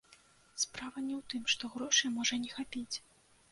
Справа не ў тым, што грошай можа не хапіць.